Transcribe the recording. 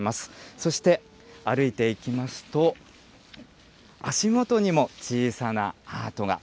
そして、歩いていきますと、足元にも小さなアートが。